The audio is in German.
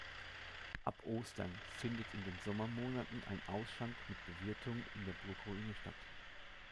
Ab Ostern findet in den Sommermonaten ein Ausschank mit Bewirtung in der Burgruine statt.